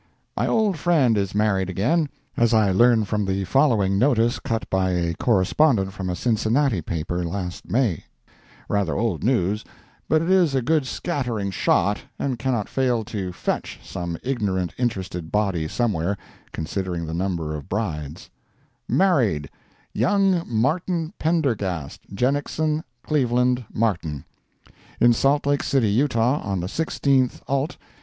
My old friend is married again—as I learn from the following notice cut by a correspondent from a Cincinnati paper last May—rather old news, but it is a good scattering shot, and cannot fail to "fetch" some ignorant interested body somewhere, considering the number of brides: MARRIED YOUNG—MARTIN—PENDERGAST—JENICKSON—CLEVELAND—MARTIN.—In Salt Lake City, Utah, on the 16th ult.